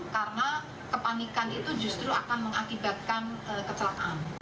karena kepanikan itu justru akan mengakibatkan kecelakaan